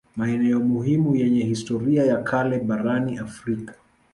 Maeneo muhimu yenye historia ya kale barani Afrika